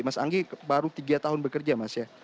mas anggi baru tiga tahun bekerja mas ya